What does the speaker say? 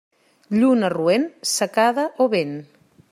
Lluna roent, secada o vent.